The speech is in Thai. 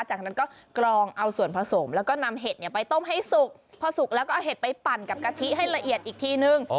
จากนั้นก็กรองเอาส่วนผสมแล้วก็นำเห็ดเนี่ยไปต้มให้สุกพอสุกแล้วก็เอาเห็ดไปปั่นกับกะทิให้ละเอียดอีกทีนึง